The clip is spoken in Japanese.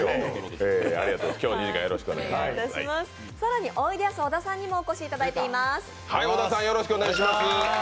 更においでやす小田さんにもお越しいただいています。